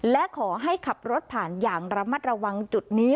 และขอให้ขับรถผ่านอย่างระมัดระวังจุดนี้